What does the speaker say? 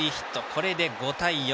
これで５対４。